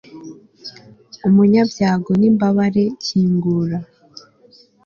umunyabyago n'imbabare, kingura